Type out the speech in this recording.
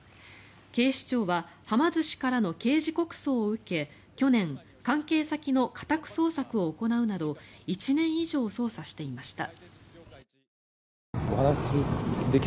警視庁ははま寿司からの刑事告訴を受け去年、関係先の家宅捜索を行うなど１年以上捜査していました。